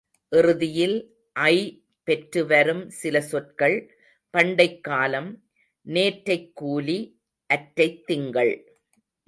இறுதியில் ஐ பெற்றுவரும் சில சொற்கள் பண்டைக் காலம், நேற்றைக் கூலி, அற்றைத் திங்கள்.